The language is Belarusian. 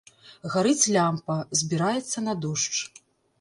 Гарыць лямпа, збіраецца на дождж.